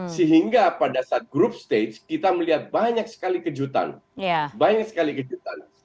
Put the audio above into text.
sehingga pada saat group stage kita melihat banyak sekali kejutan